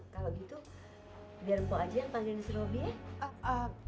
kalau gitu biar poh ajan panggilin si robi ya